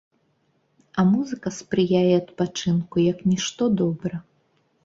А музыка спрыяе адпачынку як нішто добра.